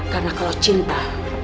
karena kalau cinta